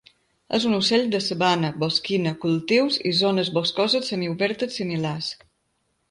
És un ocell de sabana, bosquina, cultius i zones boscoses semi-obertes similars.